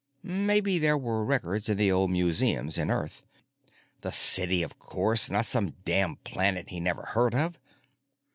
Maybe there were records in the old museum in Earth. The city, of course, not some damn planet he never heard of!